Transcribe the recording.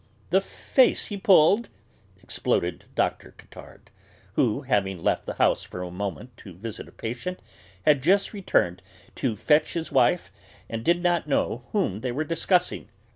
"The face he pulled?" exploded Dr. Cottard who, having left the house for a moment to visit a patient, had just returned to fetch his wife and did not know whom they were discussing.